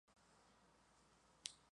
La mayoría son abejas solitarias.